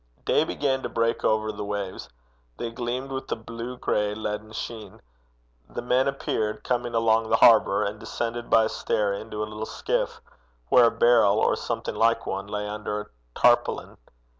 Day began to break over the waves. They gleamed with a blue gray leaden sheen. The men appeared coming along the harbour, and descended by a stair into a little skiff, where a barrel, or something like one, lay under a tarpaulin.